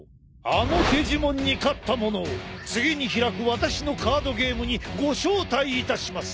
あのデジモンに勝った者を次に開く私のカードゲームにご招待いたします。